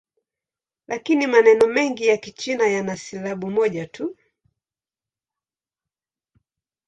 Lakini maneno mengi ya Kichina yana silabi moja tu.